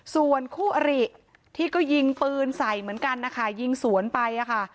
ส่วนคู่อริที่ก็ยิงปืนใส่เหมือนกันนะคะยิงสวนไปค่ะ